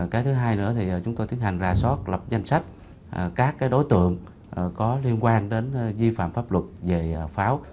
cái thứ hai nữa thì chúng tôi tiến hành ra soát lập danh sách các đối tượng có liên quan đến vi phạm pháp luật về pháo